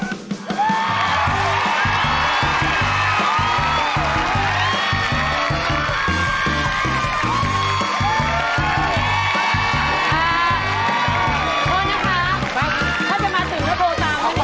ขอโทษนะคะถ้าจะมาถึงก็โทรตามด้วยนะคะ